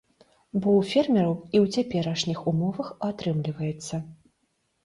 Бо ў фермераў і ў цяперашніх умовах атрымліваецца.